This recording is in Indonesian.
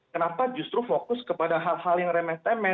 kenapa justru fokus kepada hal hal yang remeh temeh